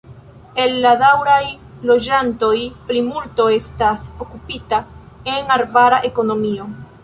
El la daŭraj loĝantoj plimulto estas okupita en arbara ekonomio.